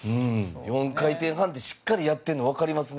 ４回転半をしっかりやってるの分かります。